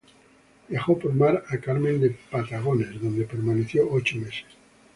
Viajó por mar a Carmen de Patagones, donde permaneció ocho meses.